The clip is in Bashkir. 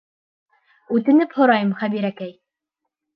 Үтенеп һорайым, Хәбирәкәй.